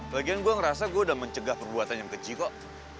lagian gua ngerasa gua udah mencegah perbuatan yang kecil kok